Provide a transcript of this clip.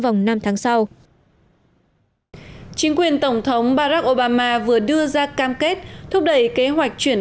vòng năm tháng sau chính quyền tổng thống barack obama vừa đưa ra cam kết thúc đẩy kế hoạch chuyển